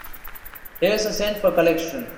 Here’s a cent for collection.